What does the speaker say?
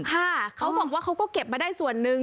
เขาบอกว่าเขาก็เก็บมาได้ส่วนหนึ่ง